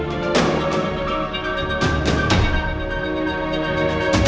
aku gak bisa ketemu mama lagi